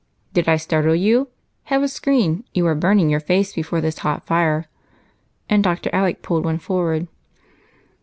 "Did I startle you? Have a screen you are burning your face before this hot fire." And Dr. Alec pulled one forward.